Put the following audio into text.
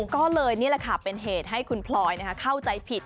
ก็เลยนี่แหละค่ะเป็นเหตุให้คุณพลอยเข้าใจผิด